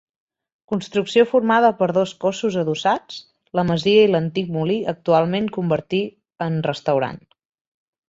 Construcció formada per dos cossos adossats, la masia i l'antic molí, actualment convertir en restaurant.